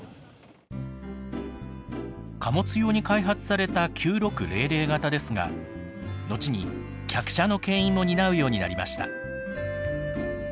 貨物用に開発された９６００形ですが後に客車のけん引も担うようになりました。